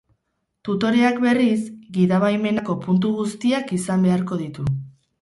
Tutoreak, berriz, gidabaimenako puntu guztiak izan beharko ditu.